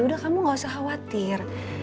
udah kamu gak usah khawatir